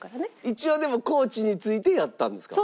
一応でもコーチに付いてやったんですか？